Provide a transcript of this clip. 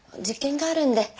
実験があるんで。